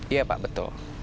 iya pak betul